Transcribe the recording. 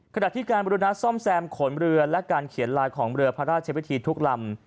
ขณะที่การบริณาซ่อมแซมขนเรือและการเขียนลายของเรือพระราชวิธีทุกลำ